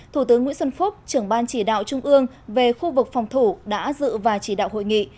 thủ tướng nguyễn xuân phúc trưởng ban chỉ đạo trung ương về khu vực phòng thủ đã dự và chỉ đạo hội nghị